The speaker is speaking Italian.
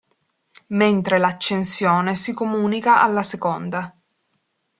Mentre l'accensione si comunica alla seconda.